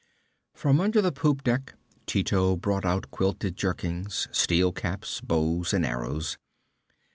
From under the poop deck Tito brought out quilted jerkins, steel caps, bows and arrows.